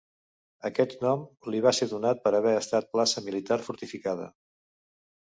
Aquest nom li va ser donat per haver estat plaça militar fortificada.